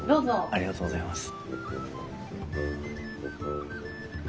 ありがとうございます。